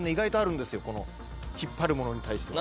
引っ張るものに対しては。